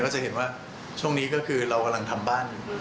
จะเห็นว่าช่วงนี้ก็คือเรากำลังทำบ้านอยู่